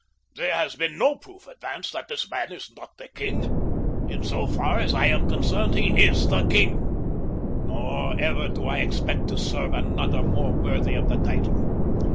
There has been no proof advanced that this man is not the king. In so far as I am concerned he is the king, nor ever do I expect to serve another more worthy of the title.